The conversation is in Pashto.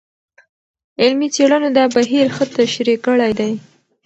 علمي څېړنو دا بهیر ښه تشریح کړی دی.